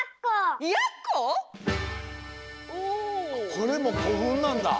これもこふんなんだ！